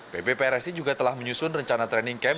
bpprsi juga telah menyusun rencana training camp